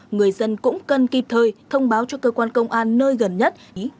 người dân cũng cần kịp thời thông báo cho cơ quan công an nơi gần nhất